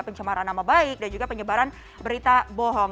pencemaran nama baik dan juga penyebaran berita bohong